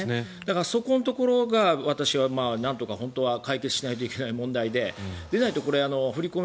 そこのところが私はなんとか本当は解決しなきゃいけない問題ででないと、これは振り込め